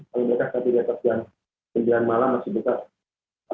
kalau mereka tadi di atas jam sembilan malam masih buka